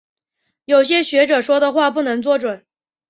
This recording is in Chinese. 有些学者说的话不能做准。